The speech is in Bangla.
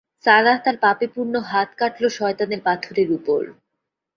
সারাহ তার পাপে পূর্ণ হাত কাটলো শয়তানের পাথরের উপর।